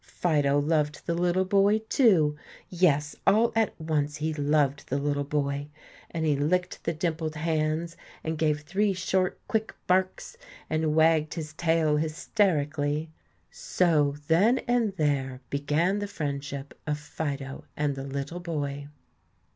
Fido loved the little boy, too, yes, all at once he loved the little boy; and he licked the dimpled hands, and gave three short, quick barks, and wagged his tail hysterically. So then and there began the friendship of Fido and the little boy.